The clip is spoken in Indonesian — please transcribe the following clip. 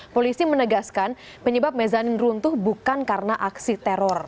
polisi menegaskan penyebab mezanin runtuh bukan karena aksi teror